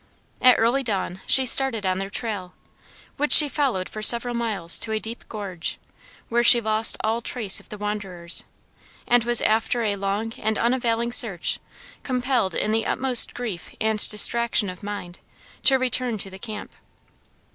At early dawn she started on their trail, which she followed for several miles to a deep gorge where she lost all trace of the wanderers, and was after a long and unavailing search compelled in the utmost grief and distraction of mind, to return to the camp.